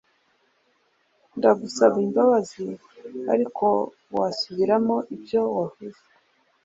ndagusaba imbabazi, ariko wasubiramo ibyo wavuze